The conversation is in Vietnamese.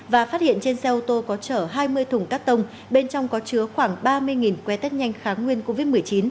và phát hiện trên xe ô tô có chở hai mươi thùng cắt tông bên trong có chứa khoảng ba mươi que test nhanh kháng nguyên covid một mươi chín